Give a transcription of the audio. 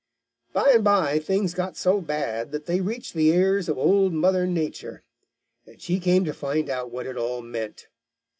"By and by things got so bad that they reached the ears of Old Mother Nature, and she came to find out what it all meant.